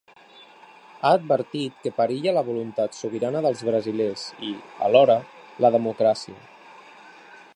Ha advertit que perilla la voluntat sobirana dels brasilers i, alhora, la democràcia.